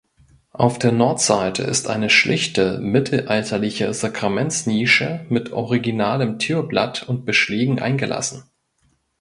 Auf der Nordseite ist eine schlichte mittelalterliche Sakramentsnische mit originalem Türblatt und Beschlägen eingelassen.